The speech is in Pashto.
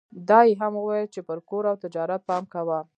دا يې هم وويل چې پر کور او تجارت پام کوه.